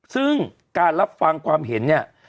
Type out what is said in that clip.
ซึ่งการรับฟังความเห็นเนี่ย